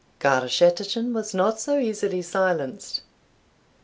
Garschattachin was not so easily silenced.